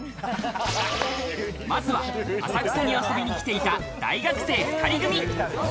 まずは、浅草に遊びに来ていた、大学生２人組。